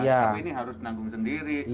tapi ini harus menanggung sendiri